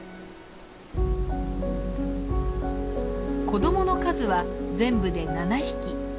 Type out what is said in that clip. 子どもの数は全部で７匹。